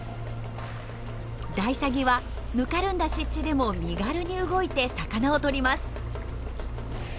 ダイサギはぬかるんだ湿地でも身軽に動いて魚をとります。